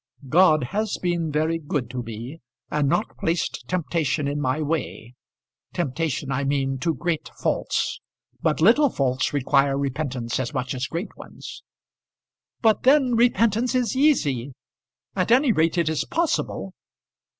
"God has been very good to me, and not placed temptation in my way; temptation, I mean, to great faults. But little faults require repentance as much as great ones." "But then repentance is easy; at any rate it is possible."